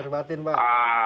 maaf lah terbatin pak